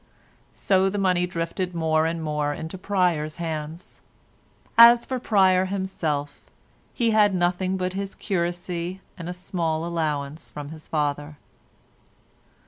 So the money drifted more and more into Pryer's hands. As for Pryer himself, he had nothing but his curacy and a small allowance from his father.